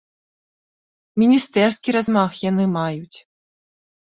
Міністэрскі размах яны маюць!